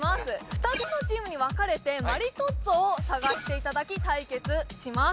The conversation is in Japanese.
２つのチームに分かれてマリトッツォを探していただき対決します